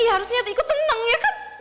ya harusnya ikut seneng ya kan